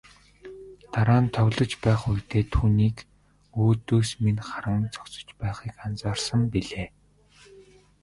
Дараа нь тоглож байх үедээ түүнийг өөдөөс минь харан зогсож байхыг анзаарсан билээ.